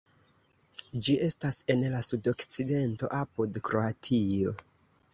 Ĝi estas en la sudokcidento apud Kroatio.